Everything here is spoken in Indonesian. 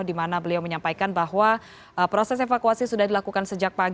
dimana beliau menyampaikan bahwa proses evakuasi sudah dilakukan oleh tni yudho margono